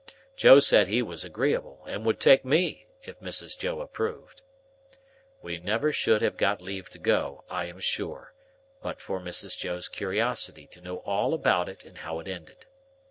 Joe said he was agreeable, and would take me, if Mrs. Joe approved. We never should have got leave to go, I am sure, but for Mrs. Joe's curiosity to know all about it and how it ended.